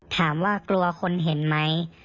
ถามว่ากลัวคนเห็นไหม